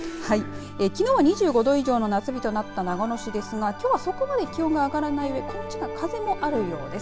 きのうは２５度以上の夏日となった長野市ですがきょうはそこまで気温が上がらないうえ風もあるようです。